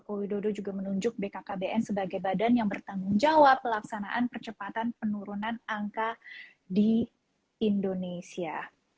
jokowi dodo juga menunjuk bkkbn sebagai badan yang bertanggung jawab pelaksanaan percepatan penurunan angka di indonesia